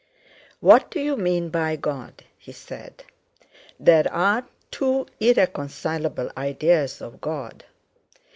"What do you mean by God?" he said; "there are two irreconcilable ideas of God.